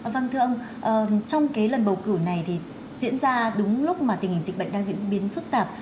vâng thưa ông trong lần bầu cử này diễn ra đúng lúc tình hình dịch bệnh đang diễn biến phức tạp